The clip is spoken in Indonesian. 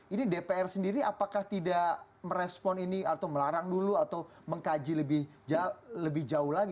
ini dpr sendiri apakah tidak merespon ini atau melarang dulu atau mengkaji lebih jauh lagi